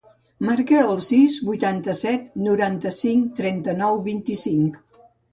Marca el sis, vuitanta-set, noranta-cinc, trenta-nou, vint-i-cinc.